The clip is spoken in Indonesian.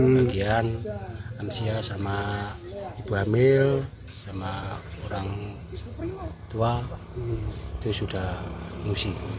bagian lansia sama ibu hamil sama orang tua itu sudah mengungsi